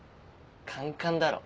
カンカンだろ。